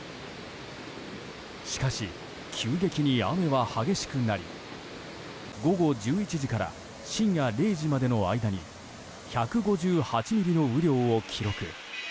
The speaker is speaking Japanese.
しかし、急激に雨は激しくなり午後１１時から深夜０時までの間に１５８ミリの雨量を記録。